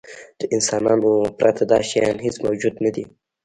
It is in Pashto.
له انسانانو پرته دا شیان هېڅ موجود نهدي.